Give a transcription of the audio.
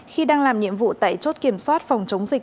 khi đang làm nhiệm vụ tại chốt kiểm soát phòng chống dịch